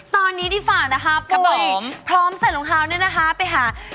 ตอนนี้ที่ฝากนะคะปุ๊ยพร้อมเสร็จโชว์นั่นนะคะไปหา